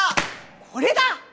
「これだ！」